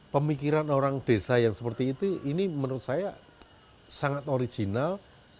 pemikiran orang desa yang seperti itu ini menurut saya sangat original